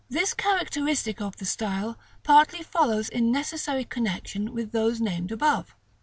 This characteristic of the style partly follows in necessary connexion with those named above.